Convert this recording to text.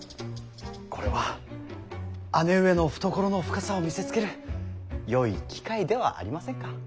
これは姉上の懐の深さを見せつけるよい機会ではありませんか。